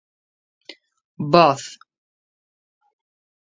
Voz.